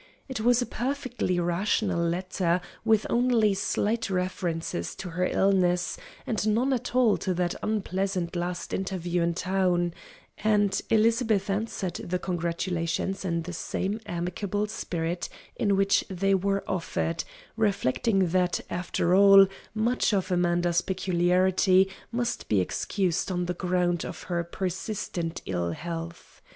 It was a perfectly rational letter, with only slight references to her illness, and none at all to that unpleasant last interview in town; and Elizabeth answered the congratulations in the same amicable spirit in which they were offered, reflecting that, after all, much of Amanda's peculiarity must be excused on the ground of her persistent ill health.